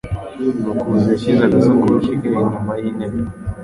Mukuzi yashyize agasakoshi ke inyuma yintebe ye.